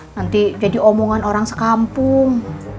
nanti jadi omongan orang sekampung